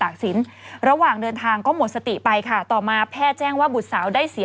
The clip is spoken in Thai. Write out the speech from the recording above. ค่วยไม่ได้